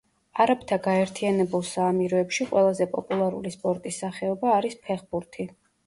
არაბთა გაერთიანებულ საამიროებში ყველაზე პოპულარული სპორტის სახეობა არის ფეხბურთი.